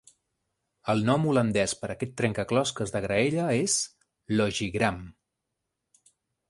El nom holandès per a aquest trencaclosques de graella és "logigram"